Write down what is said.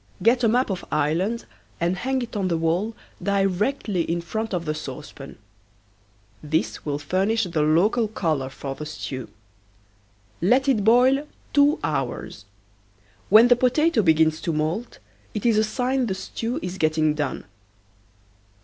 Get a map of Ireland and hang it on the wall directly in front of the saucepan. This will furnish the local color for the stew. Let it boil two hours. When the potato begins to moult it is a sign the stew is getting done.